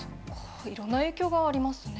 いろんな影響がありますね。